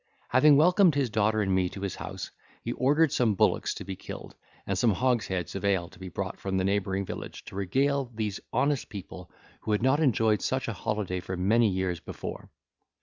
Having welcomed his daughter and me to his house, he ordered some bullocks to be killed, and some hogsheads of ale to be brought from the neighbouring village, to regale these honest people, who had not enjoyed such a holiday for many years before.